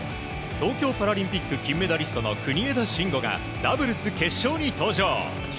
東京パラリンピック金メダリストの国枝慎吾がダブルス決勝に登場。